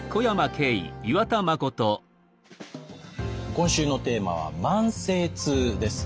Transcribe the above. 今週のテーマは「慢性痛」です。